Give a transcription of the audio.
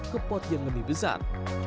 ke pot yang lebih besar